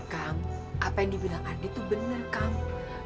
kamu apa yang dibilang adi itu benar kamu